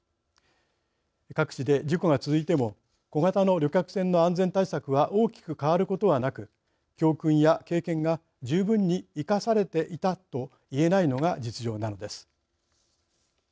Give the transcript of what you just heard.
各地で事故が続いても小型の旅客船の安全対策は大きく変わることはなく教訓や経験が十分に生かされていたと言えないのが実情です。